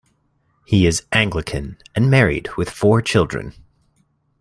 He is Anglican, and married with four children.